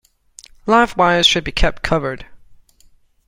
Live wires should be kept covered.